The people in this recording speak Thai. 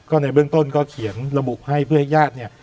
ก็ในเบื้องต้นก็เขียนระบุให้เพื่อให้ญาติเนี่ย